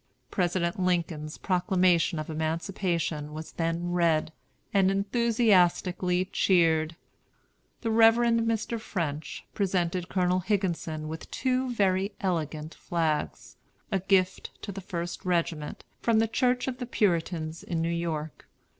President Lincoln's Proclamation of Emancipation was then read, and enthusiastically cheered. The Rev. Mr. French presented Colonel Higginson with two very elegant flags, a gift to the First Regiment, from the Church of the Puritans, in New York.